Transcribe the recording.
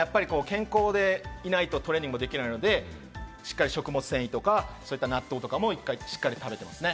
健康でいないとトレーニングもできないので、食物繊維とか納豆とかもしっかり食べてますね。